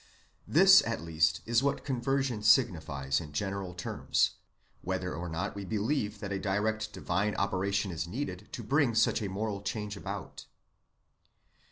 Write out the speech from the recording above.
This at least is what conversion signifies in general terms, whether or not we believe that a direct divine operation is needed to bring such a moral change about.